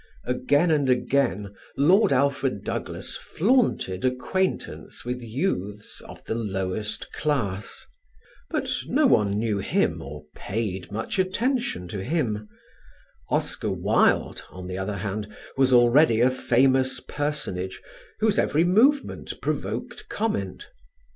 Again and again Lord Alfred Douglas flaunted acquaintance with youths of the lowest class; but no one knew him or paid much attention to him; Oscar Wilde, on the other hand, was already a famous personage whose every movement provoked comment.